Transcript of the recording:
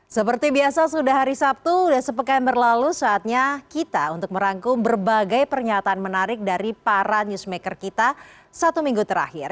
seperti biasa sudah hari sabtu sudah sepekan berlalu saatnya kita untuk merangkum berbagai pernyataan menarik dari para newsmaker kita satu minggu terakhir